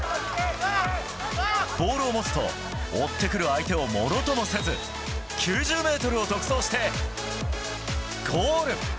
ボールを持つと、追ってくる相手をもろともせず、９０メートルを独走して、ゴール。